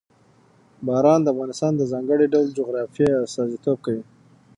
باران د افغانستان د ځانګړي ډول جغرافیه استازیتوب کوي.